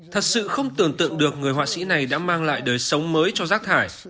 thật sự không tưởng tượng được người họa sĩ này đã mang lại đời sống mới cho rác thải